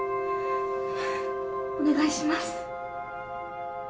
お願いします。